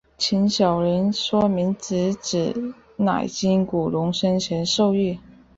陈晓林说明此举乃经古龙生前授意。